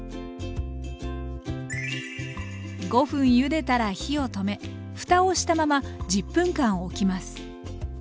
５分ゆでたら火を止めふたをしたまま１０分間おきます。